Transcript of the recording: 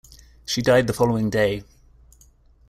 She died the following day.